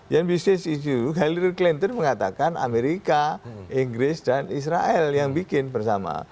yang bikin isis dulu hillary clinton mengatakan amerika inggris dan israel yang bikin bersama